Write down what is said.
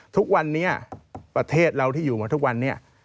ทุกวันนี้ประเทศเราที่อยู่มาทุกวันนี้